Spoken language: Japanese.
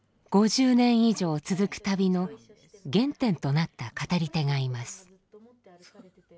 ５０年以上続く旅の原点となった語り手がいます。